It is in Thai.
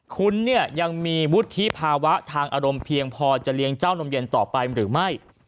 คุณเนี่ยยังมีวุฒิภาวะทางอารมณ์เพียงพอจะเลี้ยงเจ้านมเย็นต่อไปหรือไม่